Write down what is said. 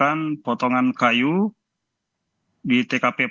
jadi ini adalah potongan kayu yang dikumpulkan oleh tkp